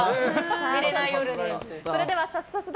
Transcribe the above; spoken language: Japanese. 寝れない夜に。